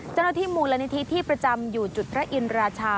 เจ้าหน้าที่มูลนิธิที่ประจำอยู่จุดพระอินราชา